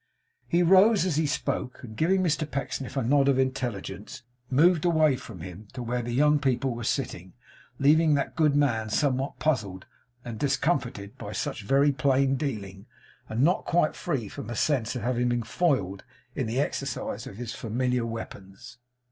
He rose as he spoke; and giving Mr Pecksniff a nod of intelligence, moved away from him to where the young people were sitting; leaving that good man somewhat puzzled and discomfited by such very plain dealing, and not quite free from a sense of having been foiled in the exercise of his familiar weapons.